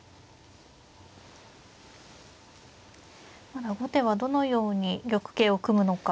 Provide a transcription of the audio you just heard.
まだ後手はどのように玉形を組むのか。